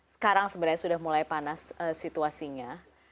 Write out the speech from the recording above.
sekarang sebenarnya sudah mulai panas situasinya